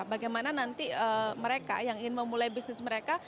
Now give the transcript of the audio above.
bagaimana nanti mereka yang ingin memulai bisnis mereka